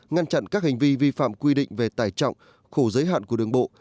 ngăn chặn các hành vi vi phạm quy định về tải trọng khổ giới hạn của đường bộ